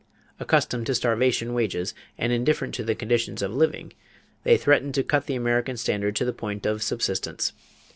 Accustomed to starvation wages and indifferent to the conditions of living, they threatened to cut the American standard to the point of subsistence.